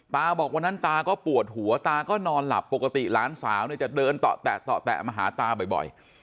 บอกวันนั้นตาก็ปวดหัวตาก็นอนหลับปกติหลานสาวเนี่ยจะเดินต่อแตะมาหาตาบ่อย